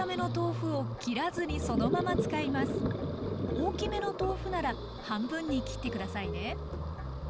大きめの豆腐なら半分に切って下さいね。